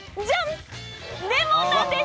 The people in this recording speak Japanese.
レモンなんです！